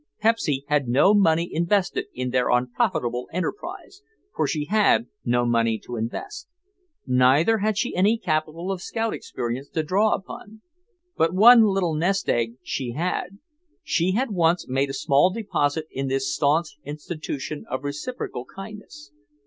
Pepsy had no money invested in their unprofitable enterprise, for she had had no money to invest. Neither had she any capital of scout experience to draw upon. But one little nest egg she had. She had once made a small deposit in this staunch institution of reciprocal kindness.